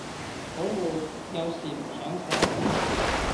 好悶，有時唔想寫